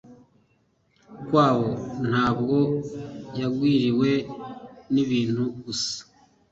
kwabo, ntabwo yagwiririwe n'ibintu gusa